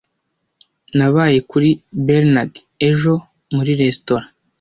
Nabaye kuri Bernard ejo muri resitora.